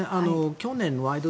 去年の「ワイド！